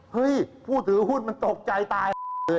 ผู้ถือหุ้นมันตกใจตาย